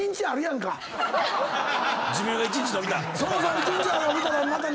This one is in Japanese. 寿命が１日延びた！